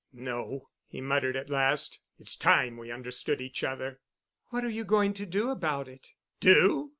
"No," he muttered at last. "It's time we understood each other." "What are you going to do about it?" "Do?